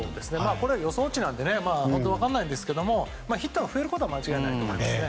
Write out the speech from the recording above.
これは予想値なので分からないですけどヒットが増えることは間違いないですね。